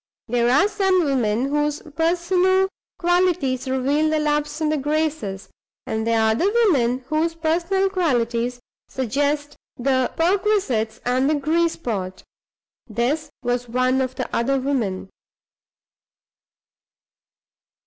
There are some women whose personal qualities reveal the Loves and the Graces; and there are other women whose personal qualities suggest the Perquisites and the Grease Pot. This was one of the other women.